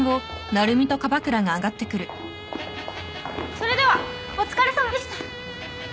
それではお疲れさまでした！